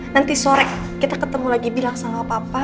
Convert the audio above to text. nanti sore kita ketemu lagi bilang sama papa